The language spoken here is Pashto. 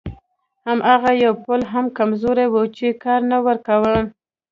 همدغه یو پل هم کمزوری و چې کار نه ورکاوه.